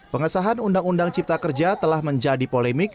pengesahan undang undang cipta kerja telah menjadi polemik